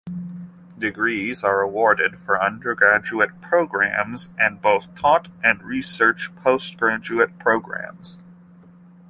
Degrees are awarded for undergraduate programmes and both taught and research postgraduate programmes.